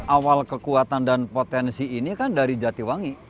awal kekuatan dan potensi ini kan dari jatiwangi